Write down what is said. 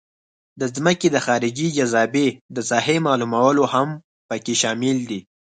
د ځمکې د خارجي جاذبې د ساحې معلومول هم پکې شامل دي